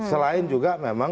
selain juga memang